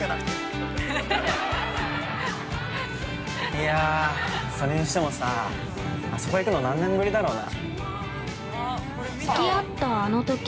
いやー、それにしてもさぁあそこに行くの何年ぶりだろうな？